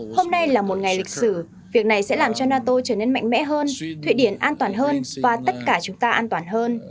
hôm nay là một ngày lịch sử việc này sẽ làm cho nato trở nên mạnh mẽ hơn thụy điển an toàn hơn và tất cả chúng ta an toàn hơn